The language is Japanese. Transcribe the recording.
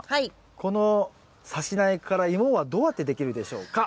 このさし苗からイモはどうやってできるでしょうか？